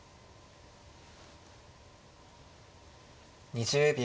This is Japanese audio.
２０秒。